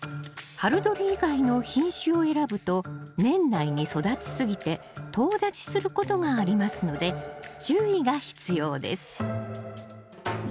春どり以外の品種を選ぶと年内に育ち過ぎてとう立ちすることがありますので注意が必要です